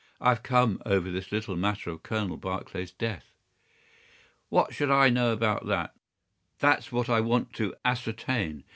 "I've come over this little matter of Colonel Barclay's death." "What should I know about that?" "That's what I want to ascertain.